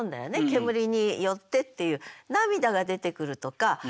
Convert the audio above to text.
煙によってっていう涙が出てくるとか。